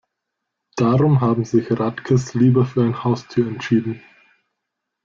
Darum haben sich Radkes lieber für ein Haustier entschieden.